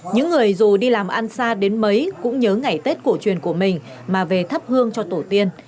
những người dù đi làm ăn xa đến mấy cũng nhớ ngày tết cổ truyền của mình mà về thắp hương cho tổ tiên